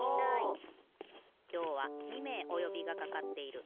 きょうは２めいおよびがかかっている。